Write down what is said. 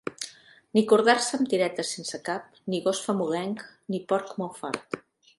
Ni cordar-se amb tiretes sense cap, ni gos famolenc, ni porc molt fart.